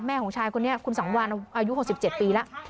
ของชายคนนี้คุณสังวานอายุ๖๗ปีแล้ว